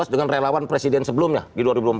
dengan relawan presiden sebelumnya di dua ribu empat belas